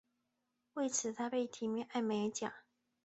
为此他被提名艾美奖。